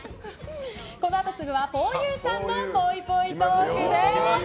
このあとすぐはふぉゆさんのぽいぽいトークです。